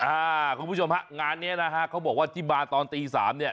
คุณผู้ชมฮะงานเนี้ยนะฮะเขาบอกว่าที่มาตอนตีสามเนี่ย